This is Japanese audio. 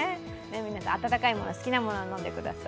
皆さん、温かいもの、好きなもの飲んでください。